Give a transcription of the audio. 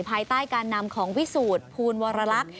ภายใต้การนำของวิสูจน์ภูลวรรลักษณ์